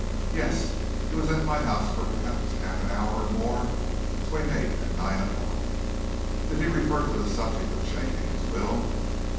"Yes; he was at my house for perhaps half an hour or more between eight and nine o'clock." "Did he refer to the subject of changing his will?"